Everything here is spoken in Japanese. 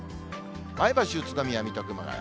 前橋、宇都宮、水戸、熊谷。